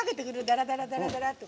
ダラダラダラって。